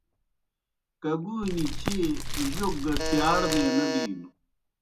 کگُونیْ چیئے جوک گہ پِیاڑمے نہ بِینوْ۔